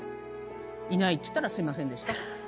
「いない」っつったらすいませんでした。